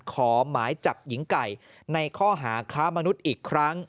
ขอหมายจับหญิงไก่ในข้อหาค้ามนุษย์อีกครั้ง